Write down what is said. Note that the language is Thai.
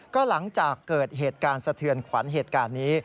ก็หลังจากเกิดเหตุการณ์สะเทือนขวัญเหตุการณ์นี้